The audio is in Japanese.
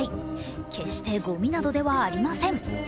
決してごみなどではありません。